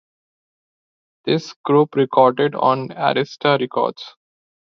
This group recorded on Arista Records.